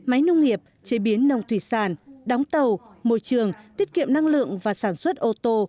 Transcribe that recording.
máy nông nghiệp chế biến nông thủy sản đóng tàu môi trường tiết kiệm năng lượng và sản xuất ô tô